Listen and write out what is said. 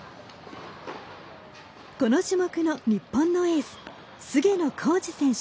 この種目の日本のエース菅野浩二選手